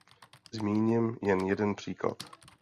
Zmíním jen jeden příklad.